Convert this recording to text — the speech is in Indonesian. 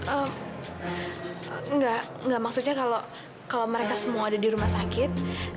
enggak maksudnya kalau mereka semua ada di rumah sakit